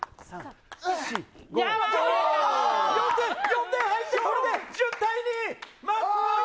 ４点入ってこれで１０対２！